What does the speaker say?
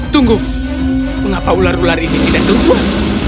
tunggu mengapa ular ular ini tidak tumbuh